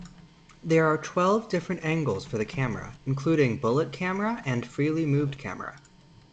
There are twelve different angles for the camera, including "bullet-camera" and freely moved camera.